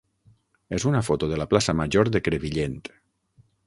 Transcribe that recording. és una foto de la plaça major de Crevillent.